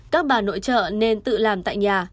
các bà nội trợ nên tự làm tại nhà